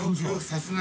さすが。